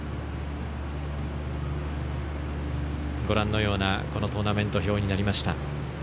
ご覧のようなトーナメント表になりました。